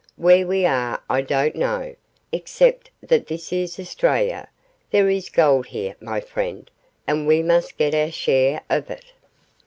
Where we are I don't know, except that this is Australia; there is gold here, my friend, and we must get our share of it.